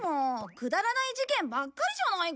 くだらない事件ばっかりじゃないか！